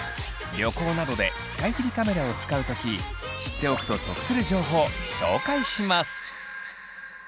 旅行などで使い切りカメラを使う時知っておくと得する情報紹介します！